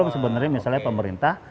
sebenarnya misalnya pemerintah